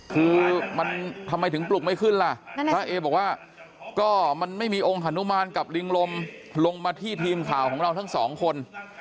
คือมันทำไมถึงปลุกไม่ขึ้นล่ะพระเอบอกว่าก็มันไม่มีองค์ฮานุมานกับลิงลมลงมาที่ทีมข่าวของเราทั้งสองคน